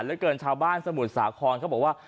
เหลือเกินชาวบ้านสมุทรสาครเขาบอกว่า